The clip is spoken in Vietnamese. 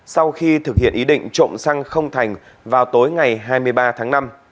sau khi thực hiện ý định trộm xăng không thành vào tối ngày hai mươi ba tháng năm